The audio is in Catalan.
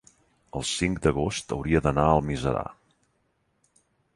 El cinc d'agost hauria d'anar a Almiserà.